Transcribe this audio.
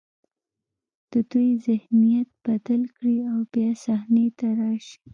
د دوی ذهنیت بدل کړي او بیا صحنې ته راشي.